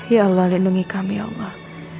ya allah lindungi kami allah